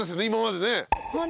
今までね。